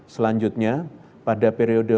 selanjutnya pada periode